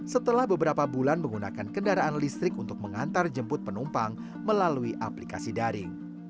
setelah beberapa bulan menggunakan kendaraan listrik untuk mengantar jemput penumpang melalui aplikasi daring